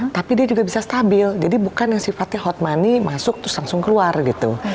tapi dia juga bisa stabil jadi bukan yang sifatnya hot money masuk terus langsung keluar gitu